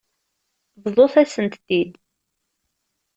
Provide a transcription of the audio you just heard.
Bḍut-asent-tent-id.